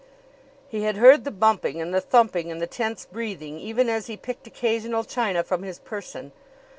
He had heard the bumping and the thumping and the tense breathing even as he picked occasional china from his person.